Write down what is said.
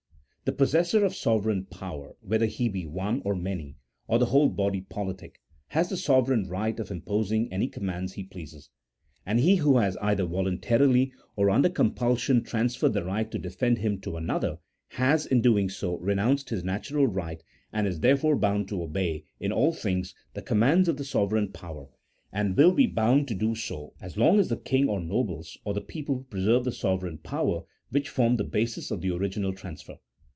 The possessor of sovereign power, whether he be one, or many, or the whole body politic, has the sovereign right of imposing any commands he pleases : and he who has either voluntarily, or under compulsion, transferred the right to defend him to another, has, in so doing, renounced his natural right and is therefore bound to obey, in all tilings, the commands of the sovereign power ; and will be bound so to do so long as the king, or nobles, or the people preserve the sovereign power which formed the basis of the original transfer.